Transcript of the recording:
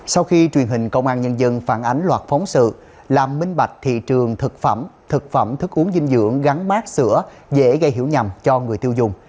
sau khi truyền hình công an nhân dân phản ánh loạt phóng sự làm minh bạch thị trường thực phẩm thực phẩm thức uống dinh dưỡng gắn mát sữa dễ gây hiểu nhầm cho người tiêu dùng